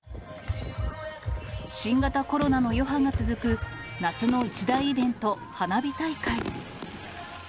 新型コロナの余波が続く夏の一大イベント、花火大会。